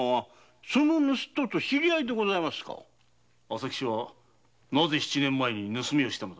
朝吉はなぜ七年前盗みをしたのだ？